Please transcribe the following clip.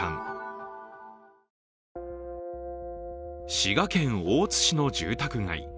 滋賀県大津市の住宅街。